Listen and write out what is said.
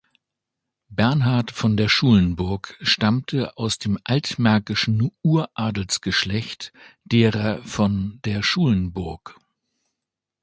Bernhard von der Schulenburg stammte aus dem altmärkischen Uradelsgeschlecht derer von der Schulenburg.